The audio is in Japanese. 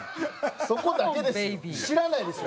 そこだけですよ。